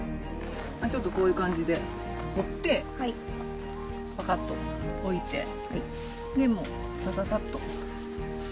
ちょっとこういう感じで、掘って、ぱかっとおいて、で、もうさささっと。